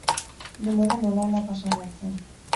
Denbora nola-hala pasa behar zen.